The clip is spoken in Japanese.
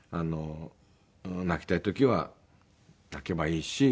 泣きたい時は泣けばいいし。